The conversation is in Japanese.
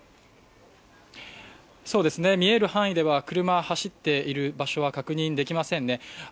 見える範囲では車は走っている場所は確認できませんね。